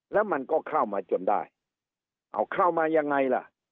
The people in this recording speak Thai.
แล้วมันก็เข้ามาจนได้เอาเข้ามายังไงล่ะ